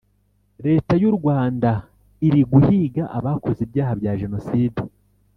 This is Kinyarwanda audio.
Leta y’urwanda iriguhiga abakoze ibyaha byajenoside